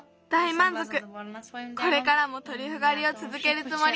これからもトリュフがりをつづけるつもり。